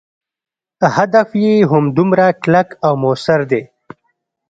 هدف یې همدومره کلک او موثر دی.